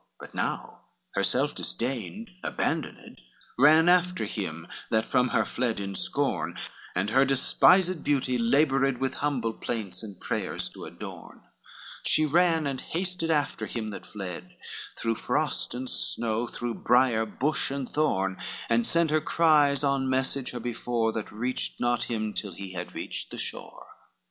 XXXIX But now herself disdained, abandoned, Ran after him; that from her fled in scorn, And her despised beauty labored With humble plaints and prayers to adorn: She ran and hasted after him that fled, Through frost and snow, through brier, bush and thorn, And sent her cries on message her before, That reached not him till he had reached the shore.